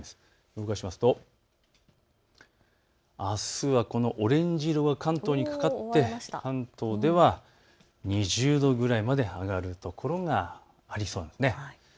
動かしますとあすはこのオレンジ色が関東にかかって、関東では２０度ぐらいまで上がる所がありそうです。